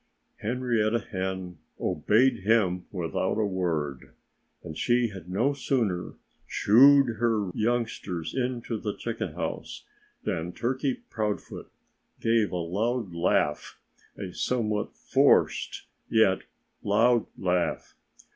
Henrietta Hen obeyed him without a word. And she had no sooner shooed her youngsters into the chicken house than Turkey Proudfoot gave a loud laugh a somewhat forced, yet loud laugh.